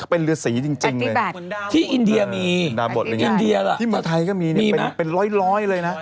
เป็นฤษีจริงเลยที่อินเดียมีอินเดียล่ะที่เมืองไทยก็มีนี่เป็นร้อยเลยนะ